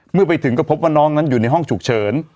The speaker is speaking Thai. เมื่อไปถึงก็พบว่าน้องนั้นอยู่ในห้องฉุกเฉิน